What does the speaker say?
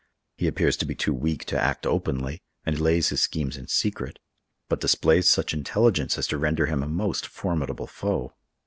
He appears to be too weak to act openly, and lays his schemes in secret; but displays such intelligence as to render him a most formidable foe.